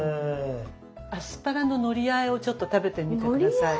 アスパラののりあえをちょっと食べてみて下さい。